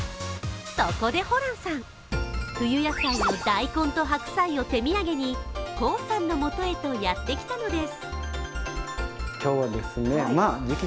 そこでホランさん、冬野菜の大根と白菜を手土産にコウさんのもとへとやってきたのです。